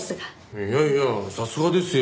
いやいやさすがですよ。